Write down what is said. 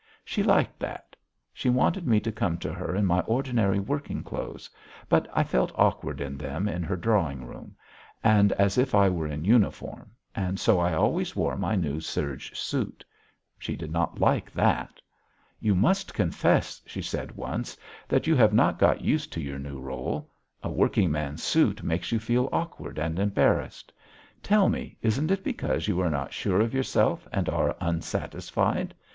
She liked that. She wanted me to come to her in my ordinary working clothes; but I felt awkward in them in her drawing room, and as if I were in uniform, and so I always wore my new serge suit. She did not like that. "You must confess," she said once, "that you have not got used to your new rôle. A working man's suit makes you feel awkward and embarrassed. Tell me, isn't it because you are not sure of yourself and are unsatisfied?